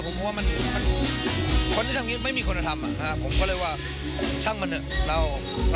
ผมว่ามันคนที่ทำงี้ไม่มีคุณธรรมผมก็เลยว่าช่างมันเลย